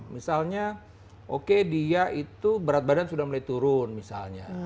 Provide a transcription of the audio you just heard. misalnya oke dia itu berat badan sudah mulai turun misalnya